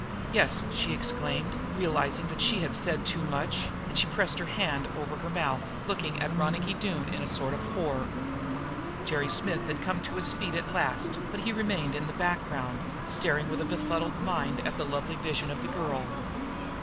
"Yes," she exclaimed, realizing that she had said too much, and she pressed her hand over her mouth, looking at Ronicky Doone in a sort of horror. Jerry Smith had come to his feet at last, but he remained in the background, staring with a befuddled mind at the lovely vision of the girl.